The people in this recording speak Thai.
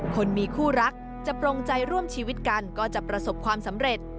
คนมีคู่รักจะปรงใจร่วมชีวิตกันก็จะประสบความสำเร็จ